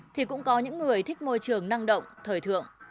thì cũng có những người thích môi trường năng động thời thượng